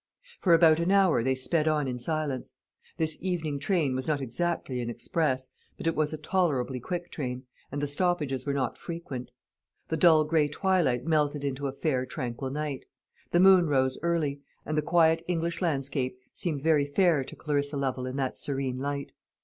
For about an hour they sped on in silence. This evening train was not exactly an express, but it was a tolerably quick train, and the stoppages were not frequent. The dull gray twilight melted into a fair tranquil night. The moon rose early; and the quiet English landscape seemed very fair to Clarissa Lovel in that serene light.